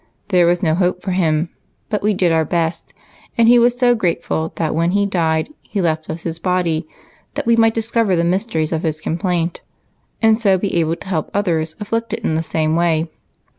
There was no hope for him, but we did our best, and he was so grateful that when he died he left us his body that we might discover the mysteries of his complaint, and so be able to help others afflicted in the same way.